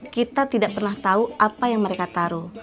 kita tidak pernah tahu apa yang mereka taruh